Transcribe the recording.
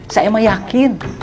saya mah yakin